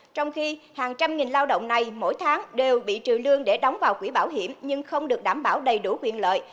trong khi hàng trăm nghìn lao động này mỗi tháng đều bị trừ lương để đóng vào quỹ bảo hiểm nhưng không được đảm bảo đầy đủ quyền lợi